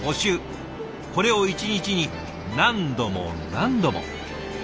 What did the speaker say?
これを一日に何度も何度も。